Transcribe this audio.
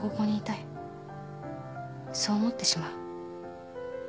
そう思ってしまう